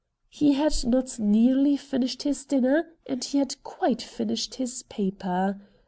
He had not nearly finished his dinner and he had quite finished his paper.